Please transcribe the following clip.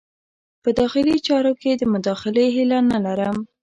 په داخلي چارو کې د مداخلې هیله نه لرم.